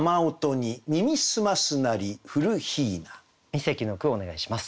二席の句をお願いします。